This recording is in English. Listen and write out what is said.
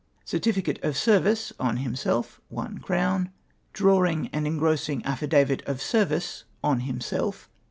Certificate of service ! (on himself) Braiving and engrossing ajf davit of service! (on himself)